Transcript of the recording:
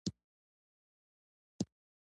پکتیا جګ غرونه لري